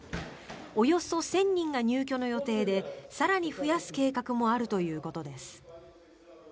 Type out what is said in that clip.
およそ１０００人が入居の予定で更に増やす計画もあるということです。